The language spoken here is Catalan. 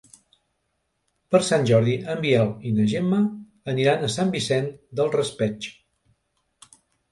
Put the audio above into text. Per Sant Jordi en Biel i na Gemma aniran a Sant Vicent del Raspeig.